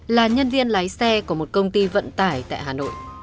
là nhân viên lái xe của một công ty vận tải tại hà nội